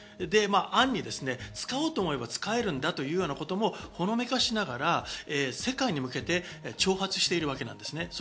で、あんに使おうと思えば使えるんだというようなこともほのめかしながら世界に向けて挑発しているわけなんですね。